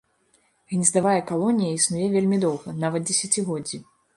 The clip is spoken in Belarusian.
Гнездавая калонія існуе вельмі доўга нават дзесяцігоддзі.